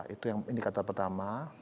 itu yang indikator pertama